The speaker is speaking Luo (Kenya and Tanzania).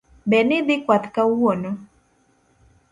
Be nidhi kwath kawuono?